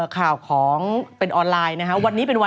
ข่าวของเป็นออนไลน์